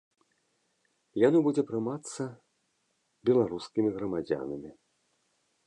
Яно будзе прымацца беларускімі грамадзянамі.